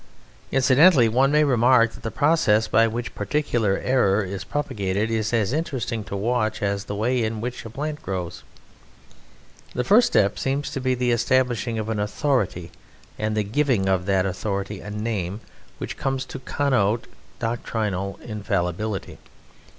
Incidentally one may remark that the process by which a particular error is propagated is as interesting to watch as the way in which a plant grows. The first step seems to be the establishing of an authority and the giving of that authority a name which comes to connote doctrinal infallibility.